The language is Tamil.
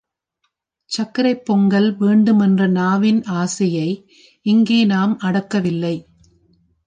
சர்க்கரைப் பொங்கல் வேண்டுமென்ற நாவின் ஆசையை இங்கே நாம் அடக்கவில்லை.